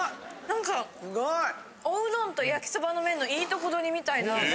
なんかおうどんと焼きそばの麺のいいとこ取りみたいな。